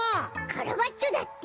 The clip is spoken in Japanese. カラバッチョだって。